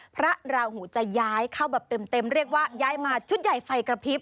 พระราหูจะย้ายเข้าแบบเต็มเรียกว่าย้ายมาชุดใหญ่ไฟกระพริบ